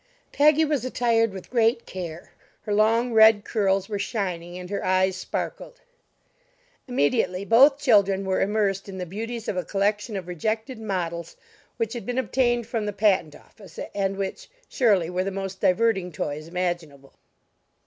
Peggy was attired with great care, her long red curls were shining and her eyes sparkled. Immediately both children were immersed in the beauties of a collection of rejected models which had been obtained from the patent office, and which, surely, were the most diverting toys imaginable.